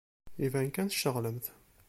Iban kan tceɣlemt.